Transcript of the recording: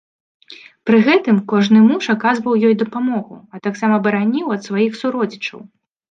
Пры гэтым кожны муж аказваў ёй дапамогу, а таксама бараніў ад сваіх суродзічаў.